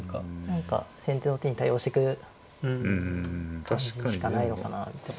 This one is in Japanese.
何か先手の手に対応してく感じしかないのかなみたいな。